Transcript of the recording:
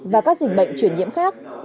và các dịch bệnh chuyển nhiễm khác